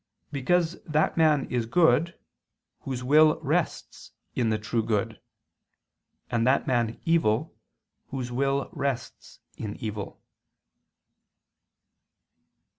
Because that man is good, whose will rests in the true good: and that man evil, whose will rests in evil.